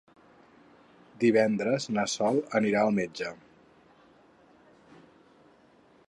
Divendres na Sol anirà al metge.